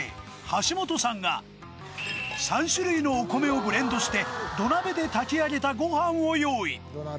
橋本さんが３種類のお米をブレンドして土鍋で炊き上げたご飯を用意